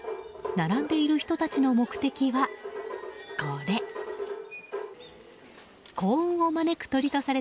並んでいる人たちの目的は、これ。